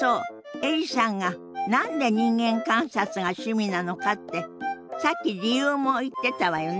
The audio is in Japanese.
エリさんが何で人間観察が趣味なのかってさっき理由も言ってたわよね。